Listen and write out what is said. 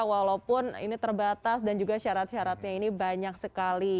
walaupun ini terbatas dan juga syarat syaratnya ini banyak sekali